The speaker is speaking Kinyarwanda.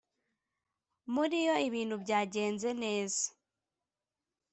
muri yo ibintu byagenze neza